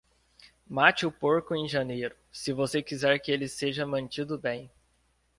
Mate o porco em janeiro, se você quiser que ele seja mantido bem.